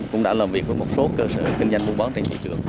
cũng đã làm việc với một số cơ sở kinh doanh vung bóng trên thị trường